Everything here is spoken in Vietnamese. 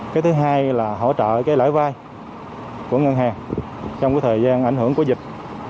cái thứ hai là hỗ trợ cái lãi vai của ngân hàng trong cái thời gian ảnh hưởng của dịch